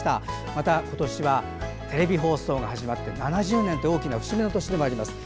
また今年はテレビ放送が始まって７０年という大きな節目の年でもあります。